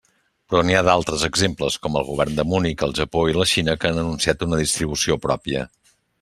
Però n'hi ha altres exemples, com el Govern de Munic, el Japó i la Xina que han anunciat una distribució pròpia.